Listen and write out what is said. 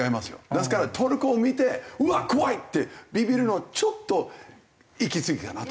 ですからトルコを見てうわっ怖い！ってビビるのはちょっといきすぎかなと。